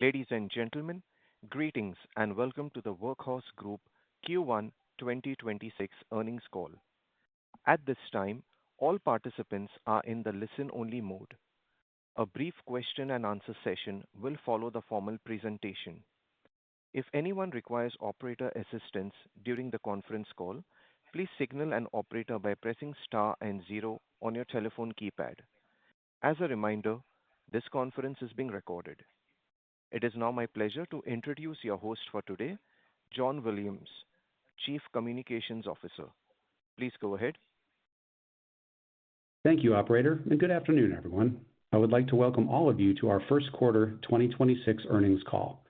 Ladies and gentlemen, greetings and welcome to the Workhorse Group Q1 2026 earnings call. At this time, all participants are in the listen-only mode. A brief question-and-answer session will follow the formal presentation. If anyone requires operator assistance during the conference call, please signal an operator by pressing star and zero on your telephone keypad. As a reminder, this conference is being recorded. It is now my pleasure to introduce your host for today, John Williams, Chief Communications Officer. Please go ahead. Thank you, operator, and good afternoon, everyone. I would like to welcome all of you to our Q1 2026 earnings call.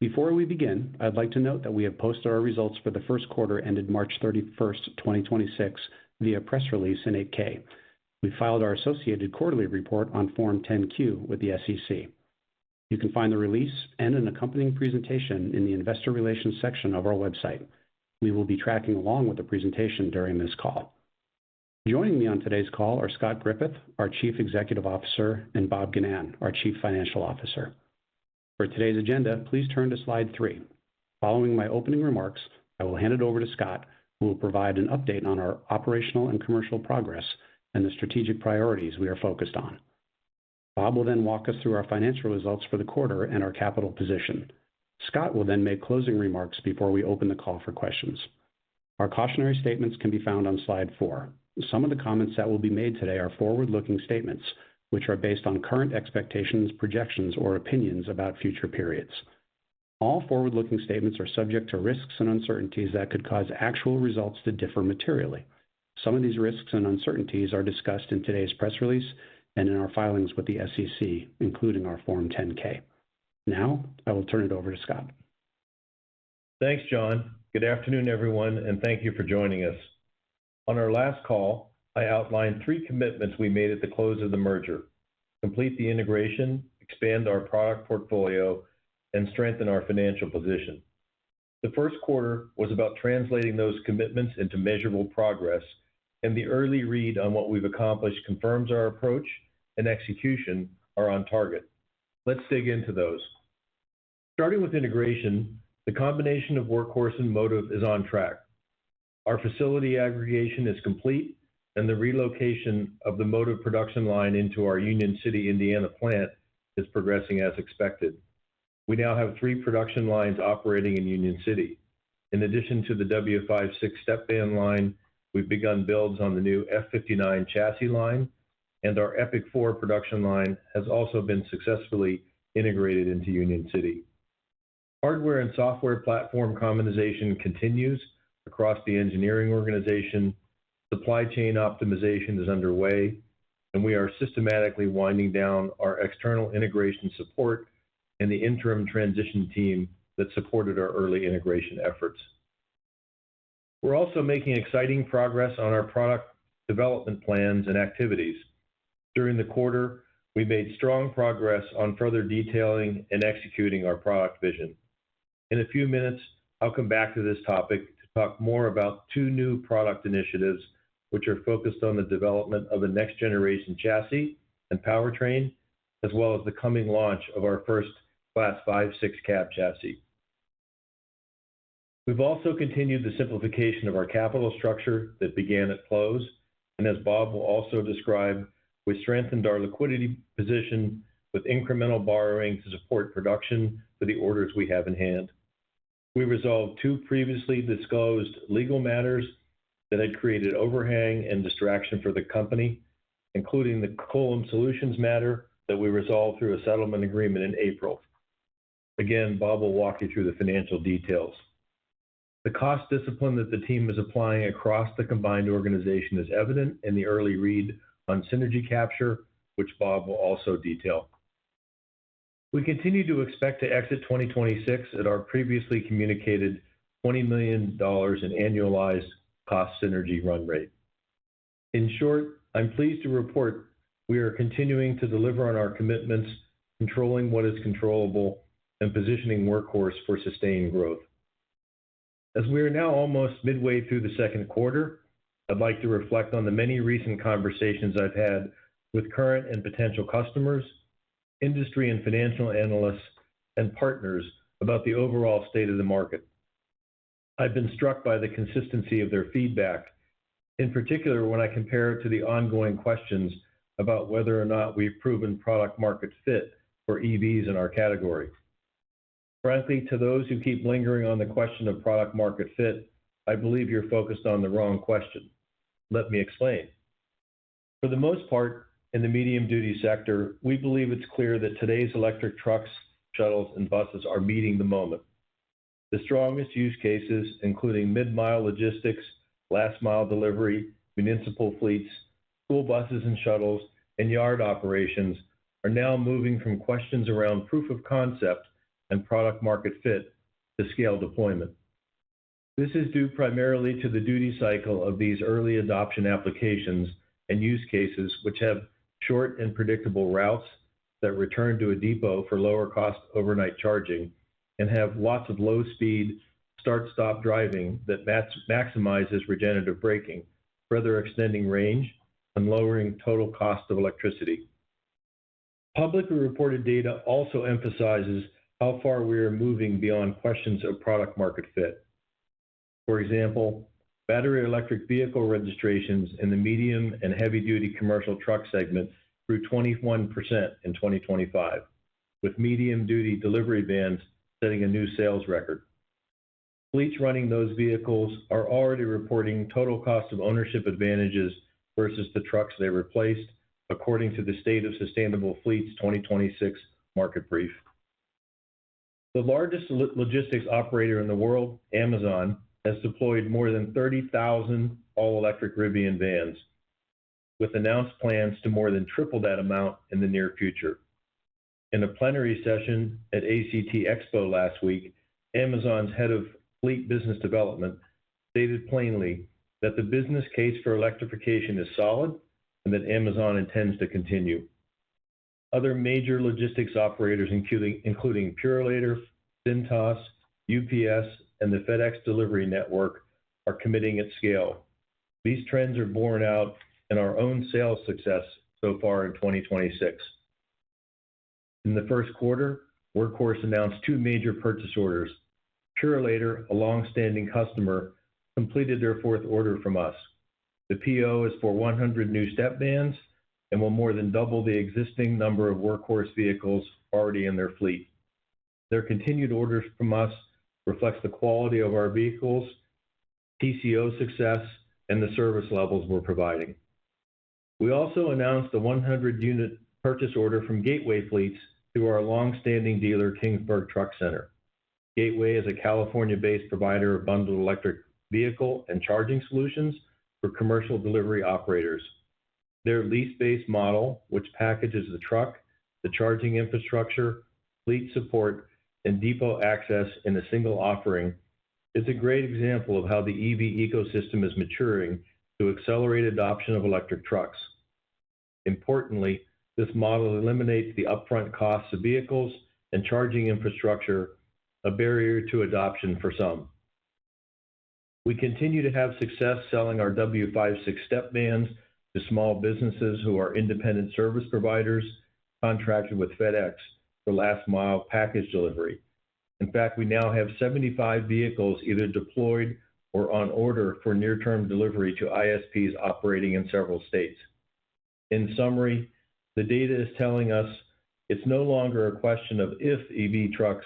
Before we begin, I'd like to note that we have posted our results for the Q1 ended March 31, 2026 via press release in Form 8-K. We filed our associated quarterly report on Form 10-Q with the SEC. You can find the release and an accompanying presentation in the investor relations section of our website. We will be tracking along with the presentation during this call. Joining me on today's call are Scott Griffith, our Chief Executive Officer, and Bob Ginnan, our Chief Financial Officer. For today's agenda, please turn to slide three. Following my opening remarks, I will hand it over to Scott, who will provide an update on our operational and commercial progress and the strategic priorities we are focused on. Bob will then walk us through our financial results for the quarter and our capital position. Scott will then make closing remarks before we open the call for questions. Our cautionary statements can be found on slide four. Some of the comments that will be made today are forward-looking statements, which are based on current expectations, projections, or opinions about future periods. All forward-looking statements are subject to risks and uncertainties that could cause actual results to differ materially. Some of these risks and uncertainties are discussed in today's press release and in our filings with the SEC, including our Form 10-K. Now, I will turn it over to Scott. Thanks, John. Good afternoon, everyone. Thank you for joining us. On our last call, I outlined three commitments we made at the close of the merger. Complete the integration, expand our product portfolio. Strengthen our financial position. The Q1 was about translating those commitments into measurable progress. The early read on what we've accomplished confirms our approach and execution are on target. Let's dig into those. Starting with integration, the combination of Workhorse and Motiv is on track. Our facility aggregation is complete. The relocation of the Motiv production line into our Union City, Indiana plant is progressing as expected. We now have three production lines operating in Union City. In addition to the W56 step van line, we've begun builds on the new F59 chassis line. Our EPIC4 production line has also been successfully integrated into Union City. Hardware and software platform commonization continues across the engineering organization. Supply chain optimization is underway, and we are systematically winding down our external integration support and the interim transition team that supported our early integration efforts. We're also making exciting progress on our product development plans and activities. During the quarter, we made strong progress on further detailing and executing our product vision. In a few minutes, I'll come back to this topic to talk more about two new product initiatives which are focused on the development of a next generation chassis and powertrain, as well as the coming launch of our first Class 5/6 cab chassis. We've also continued the simplification of our capital structure that began at close, and as Bob Ginnan will also describe, we strengthened our liquidity position with incremental borrowing to support production for the orders we have in hand. We resolved two previously disclosed legal matters that had created overhang and distraction for the company, including the Coulomb Solutions matter that we resolved through a settlement agreement in April. Again, Bob will walk you through the financial details. The cost discipline that the team is applying across the combined organization is evident in the early read on synergy capture, which Bob will also detail. We continue to expect to exit 2026 at our previously communicated $20 million in annualized cost synergy run rate. In short, I'm pleased to report we are continuing to deliver on our commitments, controlling what is controllable and positioning Workhorse for sustained growth. As we are now almost midway through the Q2, I'd like to reflect on the many recent conversations I've had with current and potential customers, industry and financial analysts, and partners about the overall state of the market. I've been struck by the consistency of their feedback, in particular, when I compare it to the ongoing questions about whether or not we've proven product market fit for EVs in our category. Frankly, to those who keep lingering on the question of product market fit, I believe you're focused on the wrong question. Let me explain. For the most part, in the medium duty sector, we believe it's clear that today's electric trucks, shuttles, and buses are meeting the moment. The strongest use cases, including mid-mile logistics, last mile delivery, municipal fleets, school buses and shuttles, and yard operations are now moving from questions around proof of concept and product market fit to scale deployment. This is due primarily to the duty cycle of these early adoption applications and use cases which have short and predictable routes that return to a depot for lower cost overnight charging. Have lots of low speed start-stop driving that maximizes regenerative braking, further extending range and lowering total cost of electricity. Publicly reported data also emphasizes how far we are moving beyond questions of product market fit. For example, battery electric vehicle registrations in the medium and heavy-duty commercial truck segments grew 21% in 2025, with medium-duty delivery vans setting a new sales record. Fleets running those vehicles are already reporting total cost of ownership advantages versus the trucks they replaced, according to the State of Sustainable Fleets 2026 market brief. The largest logistics operator in the world, Amazon, has deployed more than 30,000 all-electric Rivian vans, with announced plans to more than triple that amount in the near future. In a plenary session at ACT Expo last week, Amazon's head of fleet business development stated plainly that the business case for electrification is solid and that Amazon intends to continue. Other major logistics operators including Purolator, Cintas, UPS, and the FedEx delivery network are committing at scale. These trends are borne out in our own sales success so far in 2026. In the Q1, Workhorse announced two major purchase orders. Purolator, a long-standing customer, completed their fourth order from us. The PO is for 100 new step vans and will more than double the existing number of Workhorse vehicles already in their fleet. Their continued orders from us reflects the quality of our vehicles, TCO success, and the service levels we're providing. We also announced a 100-unit purchase order from Gateway Fleets through our long-standing dealer, Kingsburg Truck Center. Gateway is a California-based provider of bundled electric vehicle and charging solutions for commercial delivery operators. Their lease-based model, which packages the truck, the charging infrastructure, fleet support, and depot access in a single offering, is a great example of how the EV ecosystem is maturing to accelerate adoption of electric trucks. Importantly, this model eliminates the upfront costs of vehicles and charging infrastructure, a barrier to adoption for some. We continue to have success selling our W56 step vans to small businesses who are independent service providers contracted with FedEx for last-mile package delivery. In fact, we now have 75 vehicles either deployed or on order for near-term delivery to ISPs operating in several states. In summary, the data is telling us it's no longer a question of if EV trucks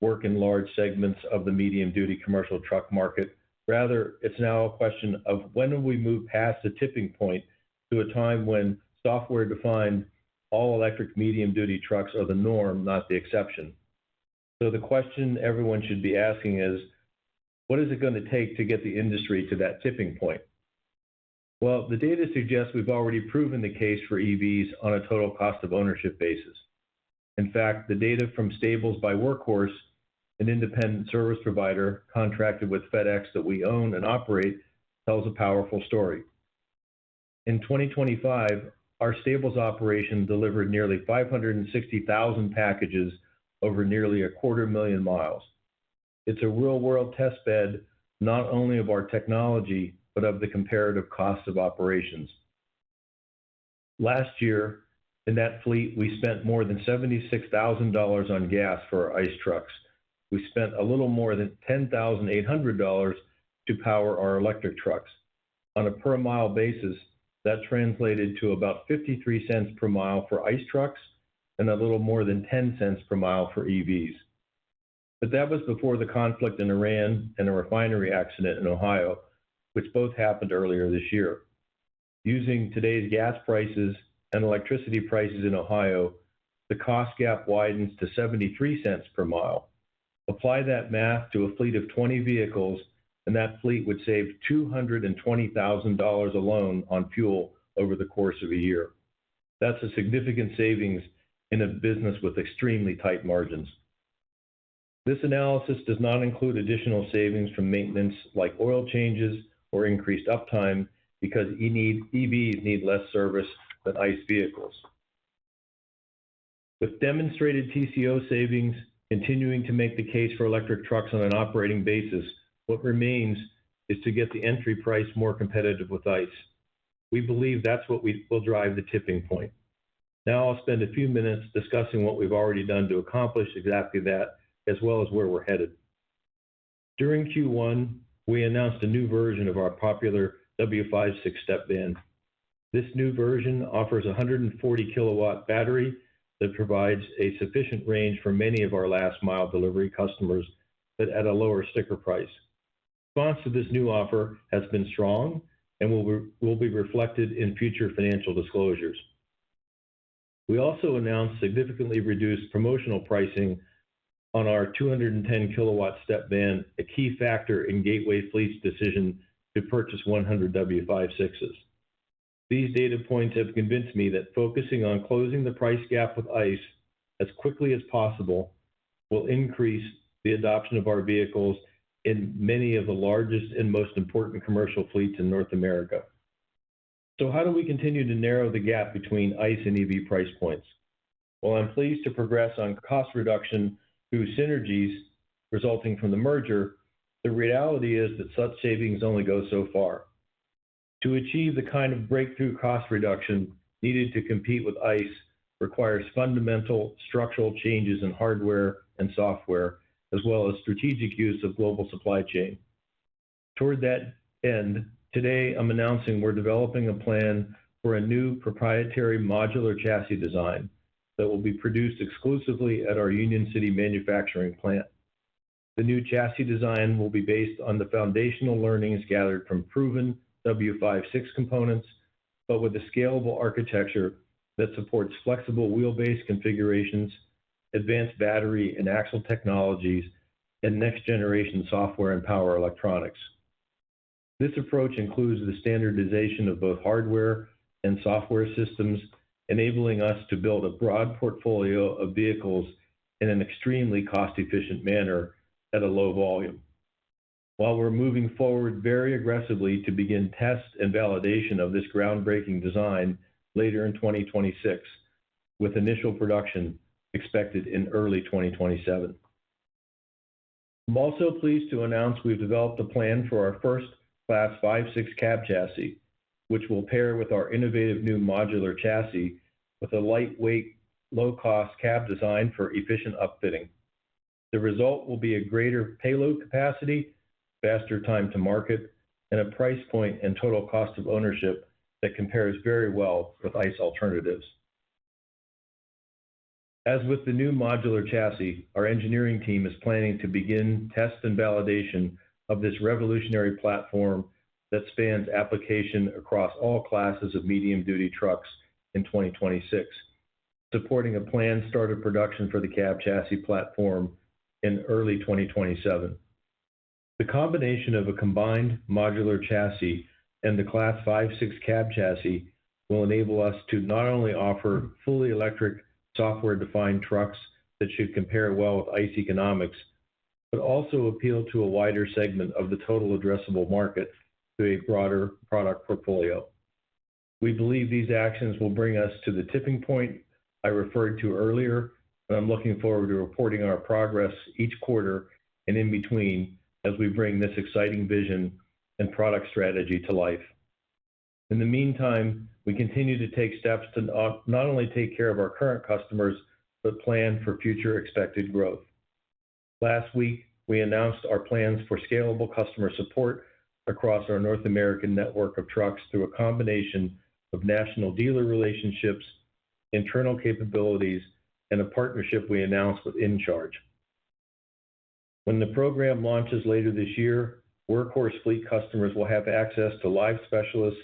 work in large segments of the medium-duty commercial truck market. Rather, it's now a question of when do we move past the tipping point to a time when software-defined all-electric medium-duty trucks are the norm, not the exception. The question everyone should be asking is, what is it gonna take to get the industry to that tipping point? Well, the data suggests we've already proven the case for EVs on a total cost of ownership basis. In fact, the data from Stables by Workhorse, an independent service provider contracted with FedEx that we own and operate, tells a powerful story. In 2025, our Stables operation delivered nearly 560,000 packages over nearly a quarter million miles. It's a real-world test bed, not only of our technology, but of the comparative cost of operations. Last year, in that fleet, we spent more than $76,000 on gas for our ICE trucks. We spent a little more than $10,800 to power our electric trucks. On a per mile basis, that translated to about $0.53 per mile for ICE trucks and a little more than $0.10 per mile for EVs. That was before the conflict in Iran and a refinery accident in Ohio, which both happened earlier this year. Using today's gas prices and electricity prices in Ohio, the cost gap widens to $0.73 per mile. Apply that math to a fleet of 20 vehicles, that fleet would save $220,000 alone on fuel over the course of a year. That's a significant savings in a business with extremely tight margins. This analysis does not include additional savings from maintenance like oil changes or increased uptime because EVs need less service than ICE vehicles. With demonstrated TCO savings continuing to make the case for electric trucks on an operating basis, what remains is to get the entry price more competitive with ICE. We believe that's what we will drive the tipping point. I'll spend a few minutes discussing what we've already done to accomplish exactly that, as well as where we're headed. During Q1, we announced a new version of our popular W56 step van. This new version offers a 140 kilowatt battery that provides a sufficient range for many of our last mile delivery customers, but at a lower sticker price. Response to this new offer has been strong and will be reflected in future financial disclosures. We also announced significantly reduced promotional pricing on our 210 kilowatt step van, a key factor in Gateway Fleets' decision to purchase 100 W56s. These data points have convinced me that focusing on closing the price gap with ICE as quickly as possible will increase the adoption of our vehicles in many of the largest and most important commercial fleets in North America. How do we continue to narrow the gap between ICE and EV price points? While I'm pleased to progress on cost reduction through synergies resulting from the merger, the reality is that such savings only go so far. To achieve the kind of breakthrough cost reduction needed to compete with ICE requires fundamental structural changes in hardware and software, as well as strategic use of global supply chain. Toward that end, today I'm announcing we're developing a plan for a new proprietary modular chassis design that will be produced exclusively at our Union City manufacturing plant. The new chassis design will be based on the foundational learnings gathered from proven W56 components, but with a scalable architecture that supports flexible wheelbase configurations, advanced battery and axle technologies, and next-generation software and power electronics. This approach includes the standardization of both hardware and software systems, enabling us to build a broad portfolio of vehicles in an extremely cost-efficient manner at a low volume. While we're moving forward very aggressively to begin tests and validation of this groundbreaking design later in 2026, with initial production expected in early 2027. I'm also pleased to announce we've developed a plan for our first Class 5/6 cab chassis, which will pair with our innovative new modular chassis with a lightweight, low-cost cab design for efficient upfitting. The result will be a greater payload capacity, faster time to market, and a price point and total cost of ownership that compares very well with ICE alternatives. As with the new modular chassis, our engineering team is planning to begin tests and validation of this revolutionary platform that spans application across all classes of medium-duty trucks in 2026, supporting a planned start of production for the cab chassis platform in early 2027. The combination of a combined modular chassis and the Class 5/6 cab chassis will enable us to not only offer fully electric software-defined trucks that should compare well with ICE economics, but also appeal to a wider segment of the total addressable market through a broader product portfolio. We believe these actions will bring us to the tipping point I referred to earlier, and I'm looking forward to reporting our progress each quarter and in between as we bring this exciting vision and product strategy to life. In the meantime, we continue to take steps to not only take care of our current customers, but plan for future expected growth. Last week, we announced our plans for scalable customer support across our North American network of trucks through a combination of national dealer relationships, internal capabilities, and a partnership we announced with InCharge Energy. When the program launches later this year, Workhorse fleet customers will have access to live specialists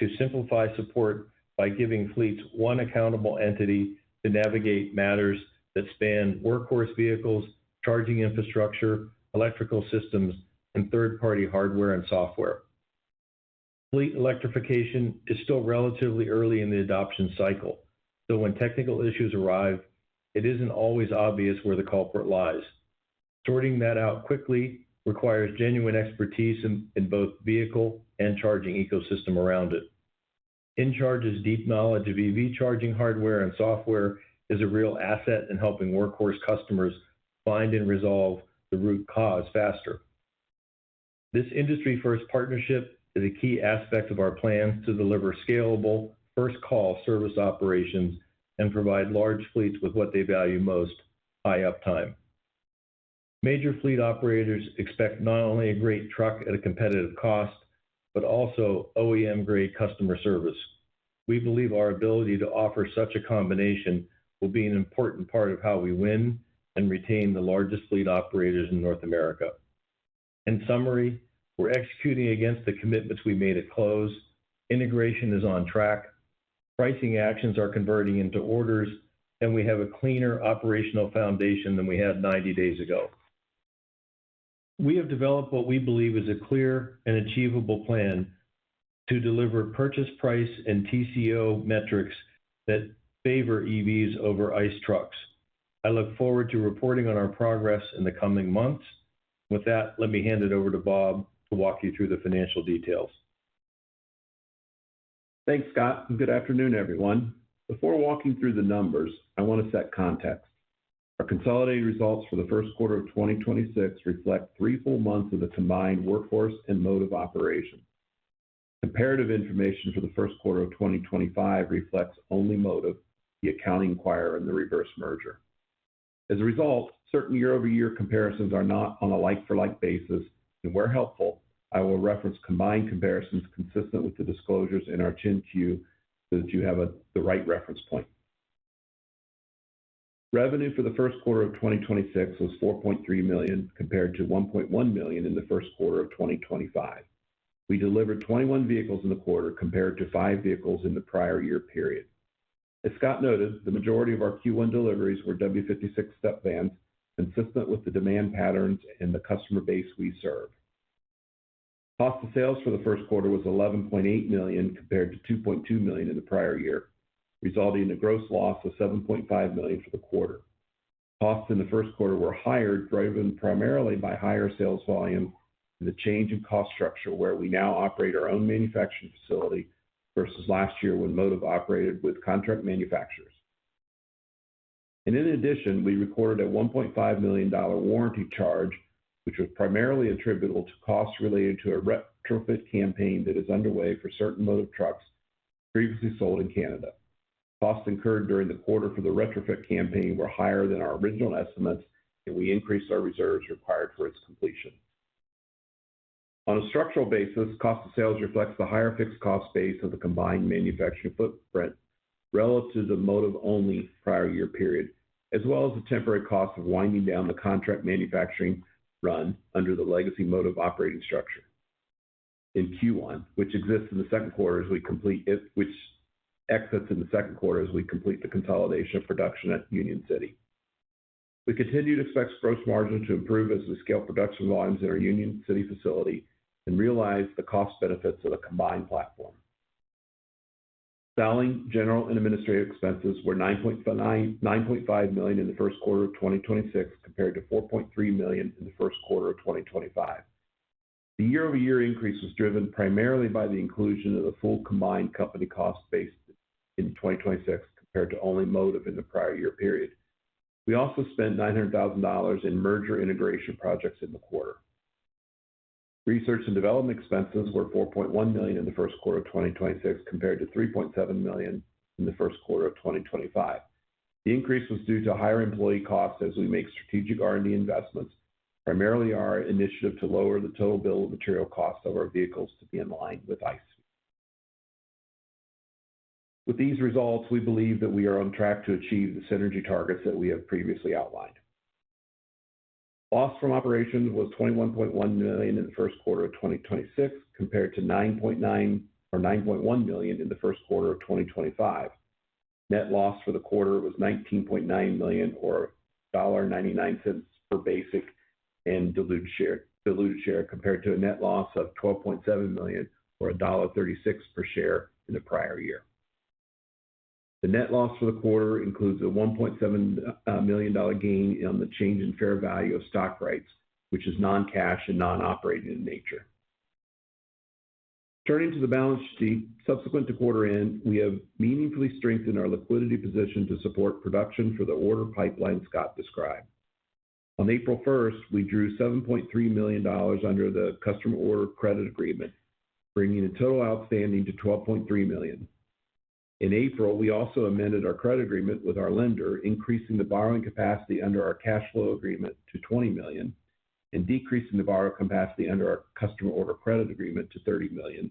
to simplify support by giving fleets one accountable entity to navigate matters that span Workhorse vehicles, charging infrastructure, electrical systems, and third-party hardware and software. Fleet electrification is still relatively early in the adoption cycle, so when technical issues arise, it isn't always obvious where the culprit lies. Sorting that out quickly requires genuine expertise in both vehicle and charging ecosystem around it. InCharge's deep knowledge of EV charging hardware and software is a real asset in helping Workhorse customers find and resolve the root cause faster. This industry-first partnership is a key aspect of our plan to deliver scalable, first-call service operations and provide large fleets with what they value most, high uptime. Major fleet operators expect not only a great truck at a competitive cost, but also OEM-grade customer service. We believe our ability to offer such a combination will be an important part of how we win and retain the largest fleet operators in North America. In summary, we're executing against the commitments we made at close, integration is on track, pricing actions are converting into orders, and we have a cleaner operational foundation than we had 90 days ago. We have developed what we believe is a clear and achievable plan to deliver purchase price and TCO metrics that favor EVs over ICE trucks. I look forward to reporting on our progress in the coming months. With that, let me hand it over to Bob to walk you through the financial details. Thanks, Scott, good afternoon, everyone. Before walking through the numbers, I want to set context. Our consolidated results for the Q1 of 2026 reflect 3 full months of the combined Workhorse and Motiv operation. Comparative information for the Q1 of 2025 reflects only Motiv, the accounting acquirer in the reverse merger. As a result, certain year-over-year comparisons are not on a like-for-like basis, and where helpful, I will reference combined comparisons consistent with the disclosures in our 10-Q so that you have the right reference point. Revenue for the Q1 of 2026 was $4.3 million compared to $1.1 million in the Q1 of 2025. We delivered 21 vehicles in the quarter compared to 5 vehicles in the prior year period. As Scott noted, the majority of our Q1 deliveries were W56 step vans, consistent with the demand patterns and the customer base we serve. Cost of sales for the Q1 was $11.8 million compared to $2.2 million in the prior year, resulting in a gross loss of $7.5 million for the quarter. Costs in the Q1 were higher, driven primarily by higher sales volume and the change in cost structure, where we now operate our own manufacturing facility versus last year when Motiv operated with contract manufacturers. In addition, we recorded a $1.5 million warranty charge, which was primarily attributable to costs related to a retrofit campaign that is underway for certain Motiv trucks previously sold in Canada. Costs incurred during the quarter for the retrofit campaign were higher than our original estimates, and we increased our reserves required for its completion. On a structural basis, cost of sales reflects the higher fixed cost base of the combined manufacturing footprint relative to the Motiv-only prior year period, as well as the temporary cost of winding down the contract manufacturing run under the legacy Motiv operating structure in Q1, which exits in the Q2 as we complete the consolidation of production at Union City. We continue to expect gross margin to improve as we scale production volumes in our Union City facility and realize the cost benefits of the combined platform. Selling, general, and administrative expenses were $9.5 million in the Q1 of 2026 compared to $4.3 million in the Q1 of 2025. The year-over-year increase was driven primarily by the inclusion of the full combined company cost base in 2026 compared to only Motiv in the prior year period. We also spent $900,000 in merger integration projects in the quarter. Research and development expenses were $4.1 million in the Q1 of 2026 compared to $3.7 million in the Q1 of 2025. The increase was due to higher employee costs as we make strategic R&D investments, primarily our initiative to lower the total bill of material costs of our vehicles to be in line with ICE. With these results, we believe that we are on track to achieve the synergy targets that we have previously outlined. Loss from operations was $21.1 million in the Q1 of 2026 compared to $9.9 or $9.1 million in the Q1 of 2025. Net loss for the quarter was $19.9 million or $0.99 per basic and diluted share, compared to a net loss of $12.7 million or $1.36 per share in the prior year. The net loss for the quarter includes a $1.7 million gain on the change in fair value of stock rights, which is non-cash and non-operating in nature. Turning to the balance sheet, subsequent to quarter end, we have meaningfully strengthened our liquidity position to support production for the order pipeline Scott described. On April first, we drew $7.3 million under the customer order credit agreement, bringing the total outstanding to $12.3 million. In April, we also amended our credit agreement with our lender, increasing the borrowing capacity under our cash flow agreement to $20 million and decreasing the borrow capacity under our customer order credit agreement to $30 million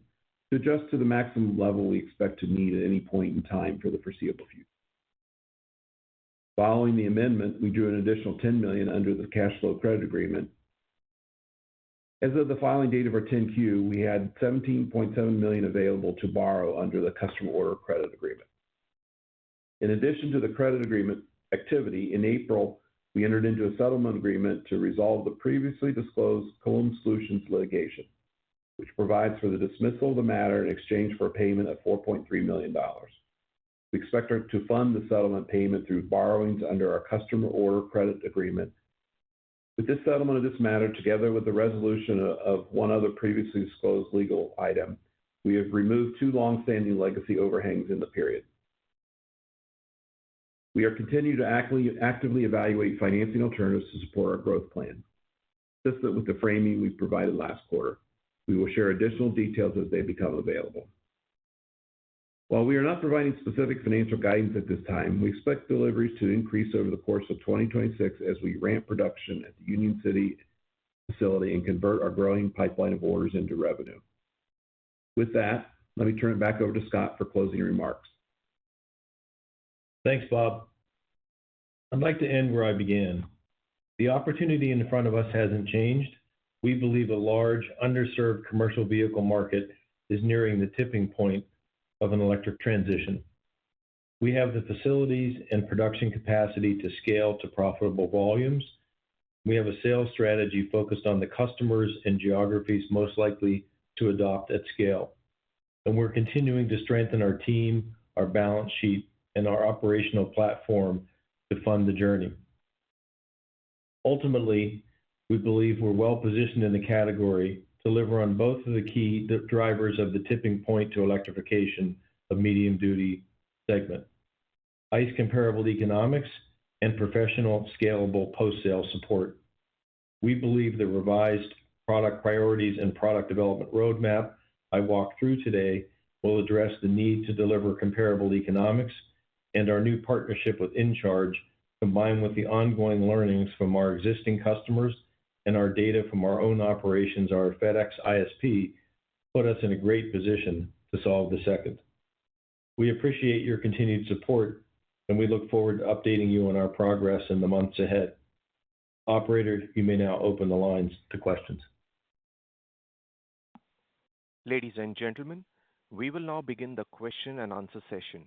to adjust to the maximum level we expect to need at any point in time for the foreseeable future. Following the amendment, we drew an additional $10 million under the cash flow credit agreement. As of the filing date of our 10-Q, we had $17.7 million available to borrow under the customer order credit agreement. In addition to the credit agreement activity, in April, we entered into a settlement agreement to resolve the previously disclosed Coulomb Solutions, Inc. litigation, which provides for the dismissal of the matter in exchange for a payment of $4.3 million. We expect to fund the settlement payment through borrowings under our customer order credit agreement. With this settlement of this matter, together with the resolution of one other previously disclosed legal item, we have removed two long-standing legacy overhangs in the period. We are continuing to actively evaluate financing alternatives to support our growth plan. Consistent with the framing we provided last quarter, we will share additional details as they become available. While we are not providing specific financial guidance at this time, we expect deliveries to increase over the course of 2026 as we ramp production at the Union City facility and convert our growing pipeline of orders into revenue. With that, let me turn it back over to Scott for closing remarks. Thanks, Bob. I'd like to end where I began. The opportunity in front of us hasn't changed. We believe a large underserved commercial vehicle market is nearing the tipping point of an electric transition. We have the facilities and production capacity to scale to profitable volumes. We have a sales strategy focused on the customers and geographies most likely to adopt at scale. We're continuing to strengthen our team, our balance sheet, and our operational platform to fund the journey. Ultimately, we believe we're well-positioned in the category to deliver on both of the key drivers of the tipping point to electrification of medium-duty segment, ICE comparable economics and professional, scalable post-sale support. We believe the revised product priorities and product development roadmap I walked through today will address the need to deliver comparable economics and our new partnership with InCharge Energy, combined with the ongoing learnings from our existing customers and our data from our own operations, our FedEx Ground ISP, put us in a great position to solve the second. We appreciate your continued support, and we look forward to updating you on our progress in the months ahead. Operator, you may now open the lines to questions. Ladies and gentlemen, we will now begin the question and answer session.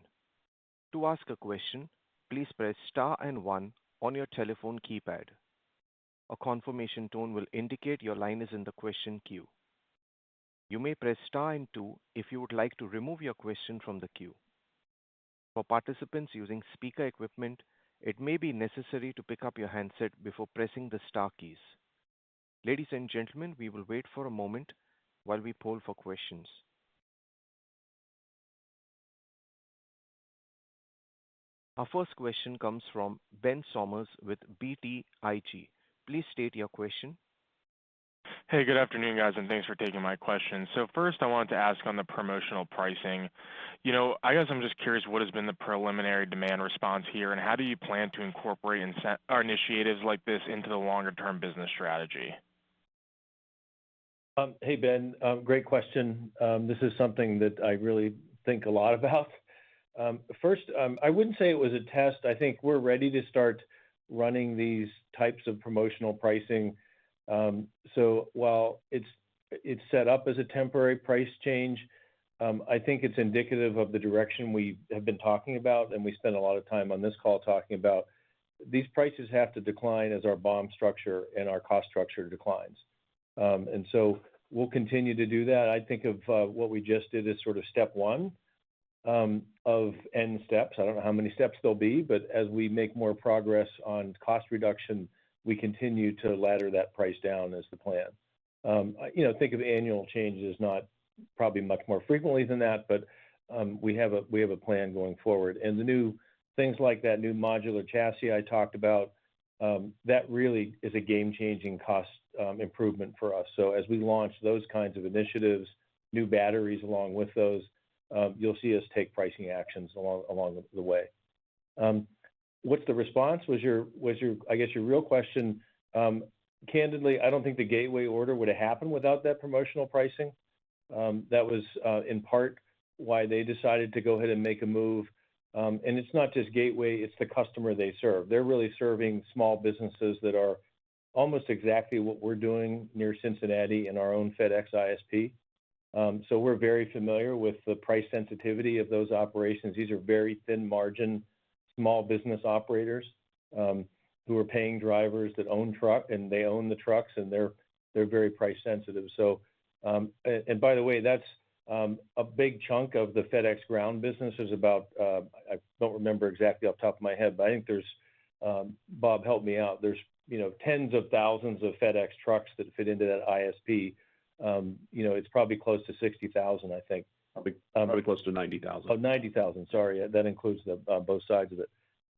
To ask a question, please press star 1 on your telephone keypad. A confirmation tone will indicate your line is in the question queue. You may press star 2 if you would like to remove your question from the queue. For participants using speaker equipment, it may be necessary to pick up your handset before pressing the star keys. Ladies and gentlemen, we will wait for a moment while we poll for questions. Our first question comes from Benjamin Sommers with BTIG. Please state your question. Good afternoon, guys, and thanks for taking my question. First, I wanted to ask on the promotional pricing. You know, I guess I'm just curious what has been the preliminary demand response here, and how do you plan to incorporate or initiatives like this into the longer term business strategy? Hey, Ben. Great question. This is something that I really think a lot about. First, I wouldn't say it was a test. I think we're ready to start running these types of promotional pricing. While it's set up as a temporary price change, I think it's indicative of the direction we have been talking about, and we spend a lot of time on this call talking about these prices have to decline as our BOM structure and our cost structure declines. We'll continue to do that. I think of what we just did as sort of step 1 of N steps. I don't know how many steps there'll be, but as we make more progress on cost reduction, we continue to ladder that price down as the plan. You know, think of annual changes, not probably much more frequently than that, but we have a plan going forward. The new things like that new modular chassis I talked about, that really is a game-changing cost improvement for us. As we launch those kinds of initiatives, new batteries along with those, you'll see us take pricing actions along the way. What the response was your real question. Candidly, I don't think the Gateway order would have happened without that promotional pricing. That was in part why they decided to go ahead and make a move. It's not just Gateway, it's the customer they serve. They're really serving small businesses that are almost exactly what we're doing near Cincinnati in our own FedEx ISP. We're very familiar with the price sensitivity of those operations. These are very thin margin small business operators, who are paying drivers that own one truck, and they own the trucks, and they're very price sensitive. And by the way, that's a big chunk of the FedEx Ground business. There's about, I don't remember exactly off the top of my head, but I think there's, Bob, help me out. There's, you know, tens of thousands of FedEx trucks that fit into that ISP. You know, it's probably close to 60,000, I think. Probably close to 90,000. 90,000. Sorry. That includes the both sides of it.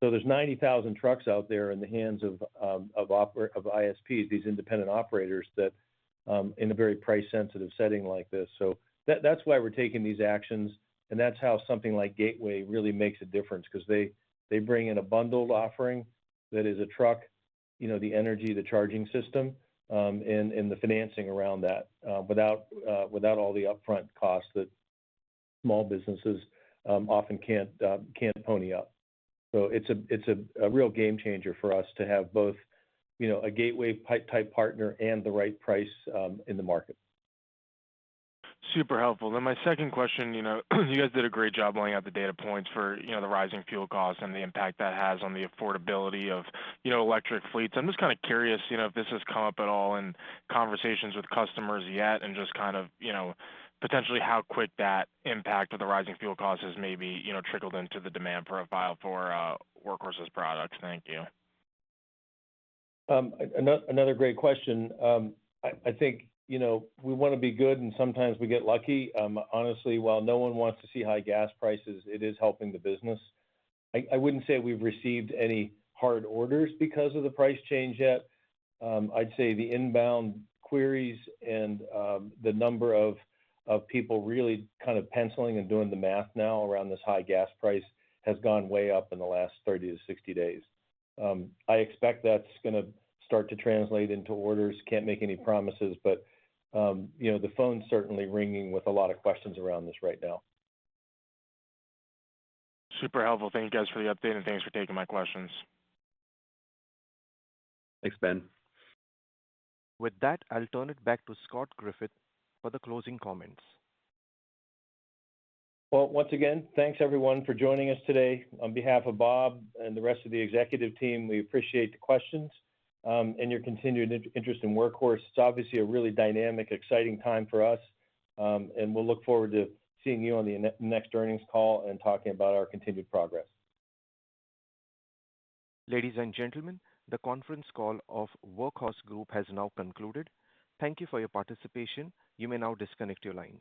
There's 90,000 trucks out there in the hands of ISPs, these independent operators that in a very price sensitive setting like this. That's why we're taking these actions, and that's how something like Gateway really makes a difference 'cause they bring in a bundled offering that is a truck, you know, the energy, the charging system, and the financing around that without all the upfront costs that small businesses often can't pony up. It's a real game changer for us to have both, you know, a Gateway type partner and the right price in the market. Super helpful. My second question, you know, you guys did a great job laying out the data points for, you know, the rising fuel costs and the impact that has on the affordability of, you know, electric fleets. I'm just kinda curious, you know, if this has come up at all in conversations with customers yet and just kind of, you know, potentially how quick that impact of the rising fuel costs has maybe, you know, trickled into the demand for Workhorse's products. Thank you. Another great question. I think, you know, we wanna be good, and sometimes we get lucky. Honestly, while no one wants to see high gas prices, it is helping the business. I wouldn't say we've received any hard orders because of the price change yet. I'd say the inbound queries and the number of people really kind of penciling and doing the math now around this high gas price has gone way up in the last 30 to 60 days. I expect that's gonna start to translate into orders. Can't make any promises, but, you know, the phone's certainly ringing with a lot of questions around this right now. Super helpful. Thank you guys for the update, and thanks for taking my questions. Thanks, Benjamin. With that, I'll turn it back to Scott Griffith for the closing comments. Once again, thanks everyone for joining us today. On behalf of Bob and the rest of the executive team, we appreciate the questions, and your continued interest in Workhorse. It's obviously a really dynamic, exciting time for us, and we'll look forward to seeing you on the next earnings call and talking about our continued progress. Ladies and gentlemen, the conference call of Workhorse Group has now concluded. Thank you for your participation. You may now disconnect your lines.